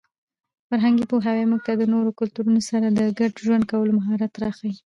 فرهنګي پوهاوی موږ ته د نورو کلتورونو سره د ګډ ژوند کولو مهارت راښيي.